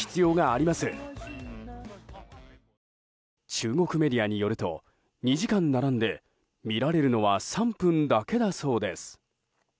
中国メディアによると２時間並んで見られるのは３分だけだそうです。